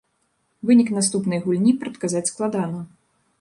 Вынік наступнай гульні прадказаць складана.